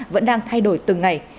vẫn đang thay đổi từng ngày